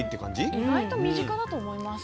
意外と身近だと思います。